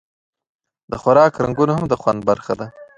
د خوراک رنګونه هم د خوند برخه ده.